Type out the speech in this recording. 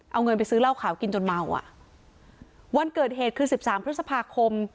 เอาเงินไปซื้อเหล้าขาวกินจนเมาอ่ะวันเกิดเหตุคือสิบสามพฤษภาคม